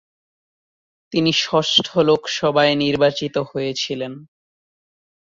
তিনি ষষ্ঠ লোকসভায় নির্বাচিত হয়েছিলেন।